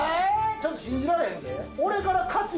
ちょっと信じられへんで。